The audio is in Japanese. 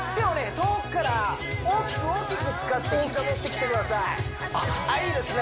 遠くから大きく大きく使って膝持ってきてくださいあっいいですね